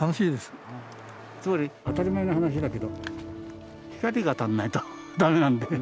つまり当たり前の話だけど光が当たんないとダメなんで。